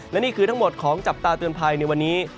และนี่คือทั้งหมดของจับตาเตือนภัยในวันนี้